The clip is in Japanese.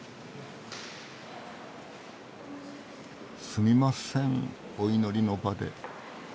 すみませんお祈りの場で。